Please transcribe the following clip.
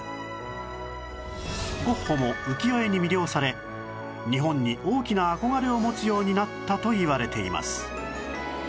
ゴッホも浮世絵に魅了され日本に大きな憧れを持つようになったといわれています